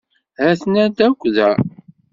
Ha-ten-ad akk da.